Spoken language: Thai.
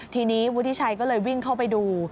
ทีนี้วุฒิชัยก็เลยวิ่งเข้าไปดู